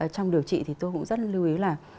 trong điều trị thì tôi cũng rất là lưu ý là